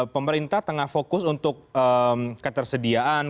pemerintah tengah fokus untuk ketersediaan